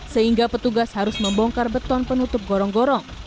sehingga petugas harus membongkar beton penutup gorong gorong